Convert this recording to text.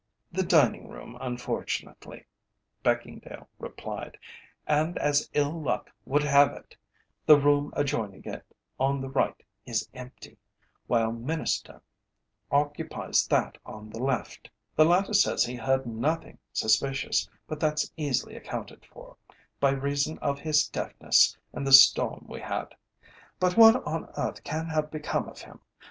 "The dining room, unfortunately," Beckingdale replied, "and as ill luck would have it, the room adjoining it on the right is empty, while M'Innister occupies that on the left. The latter says he heard nothing suspicious, but that's easily accounted for, by reason of his deafness and the storm we had. But what on earth can have become of him?